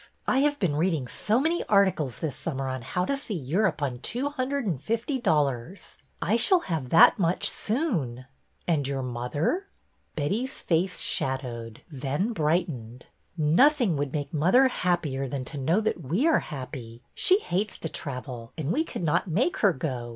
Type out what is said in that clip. I have been reading so many articles this summer on how to see Europe on two hundred and fifty dol lars. I shall have that much soon." " And your mother ?" Betty's face shadowed, then brightened. " Nothing would make mother happier than to know that we are happy. She hates to travel, and we could not make her go.